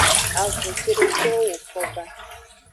Avun cedeto woko ba.